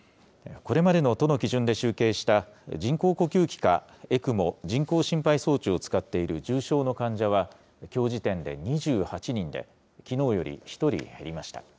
これまでの都の基準で集計した、人工呼吸器かＥＣＭＯ・人工心肺装置を使っている重症の患者は、きょう時点で２８人で、きのうより１人減りました。